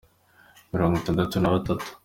mirongo itandatu na batatu.